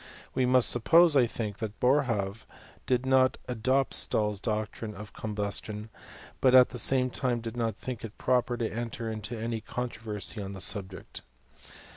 We must suppose, I think, that Boerhaave did not adopt Stahl's doctrine of com bustion ; but at the same time did not think it proper to enter into any controversy on the subject.